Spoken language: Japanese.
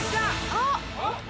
・あっ。